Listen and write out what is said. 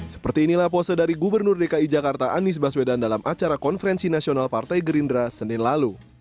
seperti inilah pose dari gubernur dki jakarta anies baswedan dalam acara konferensi nasional partai gerindra senin lalu